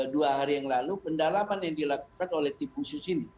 dua hari yang lalu pendalaman yang dilakukan oleh tim khusus ini